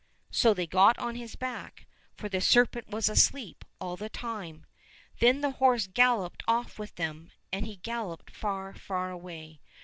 So they got on his back, for the serpent was asleep all the time. Then the horse galloped off with them ; and he galloped far, far away.